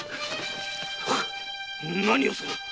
何をする！？